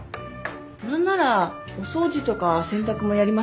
何ならお掃除とか洗濯もやりますよ。